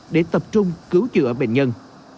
để tập trung cứu chữa bệnh nhân